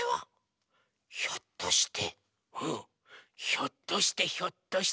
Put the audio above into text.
ひょっとしてひょっとして。